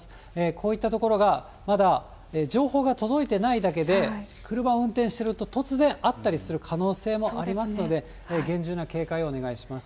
こういった所が、まだ情報が届いてないだけで、車を運転してると、突然あったりする可能性もありますので、厳重な警戒をお願いします。